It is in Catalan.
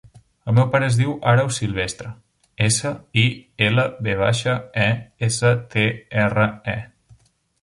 El meu pare es diu Àreu Silvestre: essa, i, ela, ve baixa, e, essa, te, erra, e.